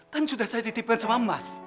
kan sudah saya titipkan sama mas